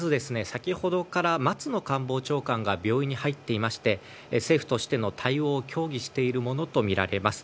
先ほどから松野官房長官が病院に入っていまして政府としての対応を協議しているものとみられます。